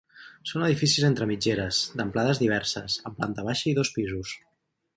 Són edificis entre mitgeres, d'amplades diverses, amb planta baixa i dos pisos.